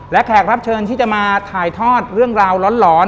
และแขกรับเชิญที่จะมาถ่ายทอดเรื่องราวร้อน